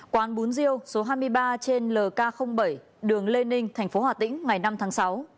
quán bún riêu số hai mươi ba trên lk bảy đường lê ninh thành phố hà tĩnh ngày năm tháng sáu